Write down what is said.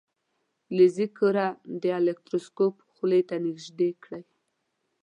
فلزي کره د الکتروسکوپ خولې ته نژدې کړئ.